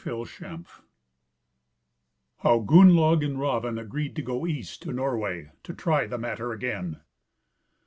CHAPTER XV. How Gunnlaug and Raven agreed to go East to Norway, to try the matter again.